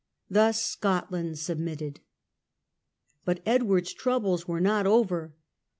Thus Scot land submitted. But Edward's troubles were not over.